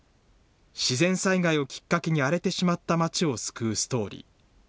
自然災害をきっかけに荒れてしまった街を救うストーリー。